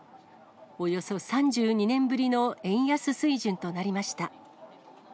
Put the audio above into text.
およそ３２年ぶりの円安水準となりました。